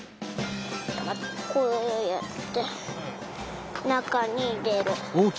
こうやってなかにいれる。